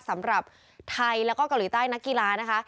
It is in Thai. สำหรับไทยแล้วก็เกาหลีใต้นักกีฬานะคะ